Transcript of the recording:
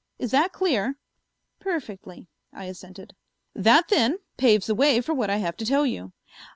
Is that clear?" "Perfectly," I assented. "That, then, paves the way for what I have to tell you.